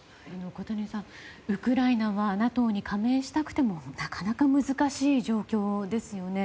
小谷さん、ウクライナはＮＡＴＯに加盟したくてもなかなか難しい状況ですよね。